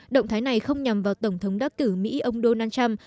động thái này không nhằm vào tổng thống đắc cử mỹ ông donald trump